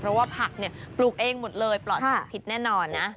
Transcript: เพราะว่าผักเนี่ยปลูกเองหมดเลยปลอดภิกษ์แน่นอนนะ